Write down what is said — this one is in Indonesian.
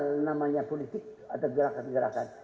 yang namanya politik atau gerakan gerakan